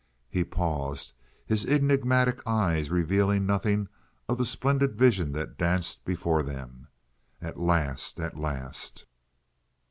He paused, his enigmatic eyes revealing nothing of the splendid vision that danced before them. At last! At last!